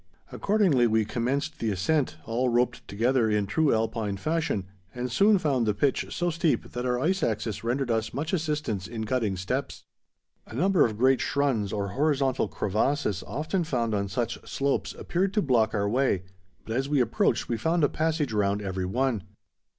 Accordingly we commenced the ascent, all roped together in true Alpine fashion, and soon found the pitch so steep that our ice axes rendered us much assistance in cutting steps. A number of great schrunds or horizontal crevasses often found on such slopes appeared to block our way, but as we approached we found a passage round every one.